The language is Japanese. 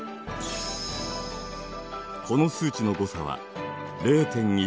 この数値の誤差は０．２％。